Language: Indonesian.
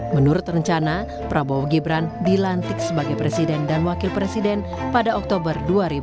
menurut rencana prabowo gibran dilantik sebagai presiden dan wakil presiden pada oktober dua ribu dua puluh